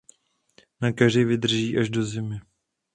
Na keři vydrží až do zimy.